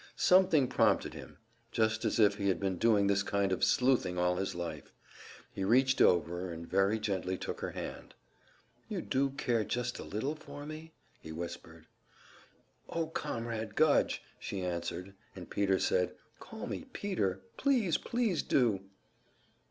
Something prompted him just as if he had been doing this kind of "sleuthing" all his life. He reached over, and very gently took her hand. "You do care just a little for me?" he whispered. "Oh, Comrade Gudge," she answered, and Peter said, "Call me `Peter.' Please, please do."